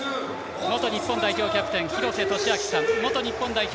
元日本代表キャプテン廣瀬俊朗さん元日本代表